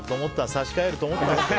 差し替えると思ったよ。